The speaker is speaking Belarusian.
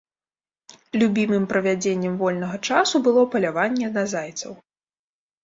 Любімым правядзеннем вольнага часу было паляванне на зайцаў.